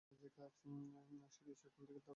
কালেজের কাজ সারিয়া সে গোলদিঘির ধারে বেড়াইতে লাগিল।